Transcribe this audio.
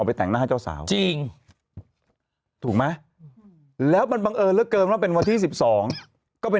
ไปแต่งหน้าให้เจ้าสาวจริงถูกไหมแล้วมันบังเอิญเหลือเกินว่าเป็นวันที่๑๒ก็เป็น